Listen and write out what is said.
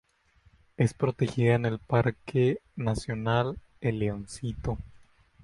Es protegida en el parque nacional El Leoncito.